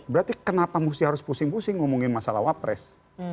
berarti kenapa mesti harus pusing pusing ngomongin masalah wapres